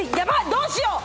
どうしよう！